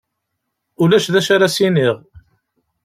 Ulac d acu ara as-iniɣ.